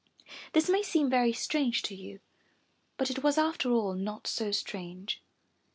This may seem very strange to you, but it was after all not so strange.